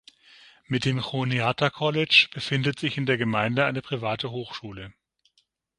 Mit dem Juniata College befindet sich in der Gemeinde eine private Hochschule.